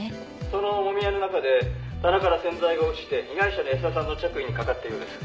「そのもみ合いの中で棚から洗剤が落ちて被害者の保田さんの着衣にかかったようです」